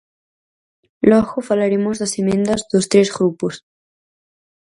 Logo falaremos das emendas dos tres grupos.